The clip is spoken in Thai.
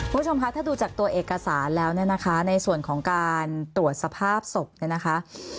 ผู้ชมคะถ้าดูจากตัวเอกสารแล้วนะคะในส่วนของการตรวจสภาพศพนะคะ